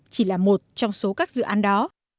chỉ là một trong số các dự án đó